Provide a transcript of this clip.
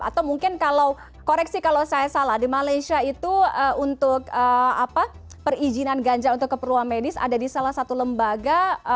atau mungkin kalau koreksi kalau saya salah di malaysia itu untuk perizinan ganja untuk keperluan medis ada di salah satu lembaga